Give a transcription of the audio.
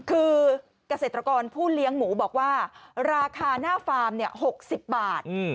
คือเกษตรกรผู้เลี้ยงหมูบอกว่าราคาหน้าฟาร์ม๖๐บาท